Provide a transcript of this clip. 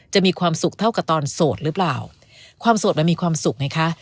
มีความสุขเท่ากับตอนโสดหรือเปล่าความโสดมันมีความสุขไงคะ